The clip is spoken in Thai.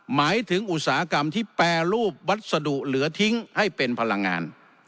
หมายถึงอุตสาหกรรมที่แปรรูปวัสดุเหลือทิ้งให้เป็นพลังงาน